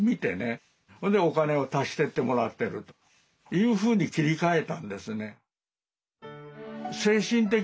それでお金を足してってもらってるというふうに切り替えたんですね。